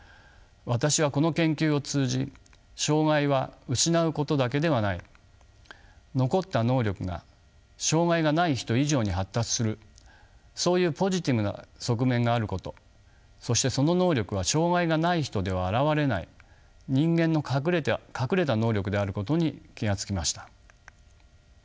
私はこの研究を通じ障がいは失うことだけではない残った能力が障がいがない人以上に発達するそういうポジティブな側面があることそしてその能力は障がいがない人では現れない人間の隠れた能力であることに気が付きました。